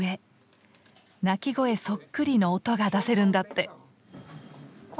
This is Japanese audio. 鳴き声そっくりの音が出せるんだって。